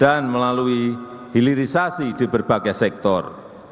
melalui hilirisasi di berbagai sektor